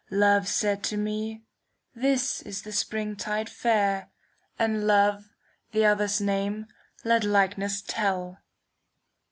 Love said to me, " This is the Springtide fair. And Love, the other's name, let likeness tell."